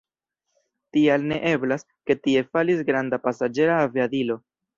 Tial ne eblas, ke tie falis granda pasaĝera aviadilo.